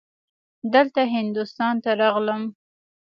دلته هندوستان ته راغلم.